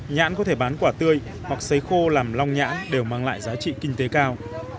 nhãn có thể bán quả tươi hoặc xấy khô làm long nhãn đều mang lại giá trị kinh tế cao